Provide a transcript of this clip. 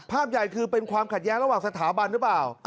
ใหญ่คือเป็นความขัดแย้งระหว่างสถาบันหรือเปล่า